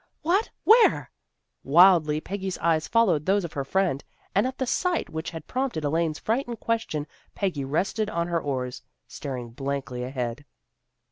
" "What? Where?" Wildly Peggy's eyes fol lowed those of her friend, and at the sight which had prompted Elaine's frightened ques tion Peggy rested on her oars, staring blankly ahead.